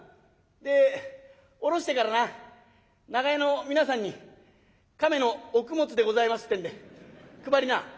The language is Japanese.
で下ろしてからな長屋の皆さんに亀のお供物でございますってんで配りな」。